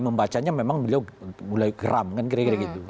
membacanya memang beliau mulai geram kan kira kira gitu